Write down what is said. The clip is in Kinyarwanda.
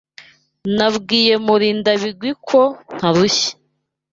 Nabwiye Murindabigwi ko ntarushye.